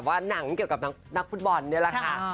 หนังเกี่ยวกับนักฟุตบอลนี่แหละค่ะ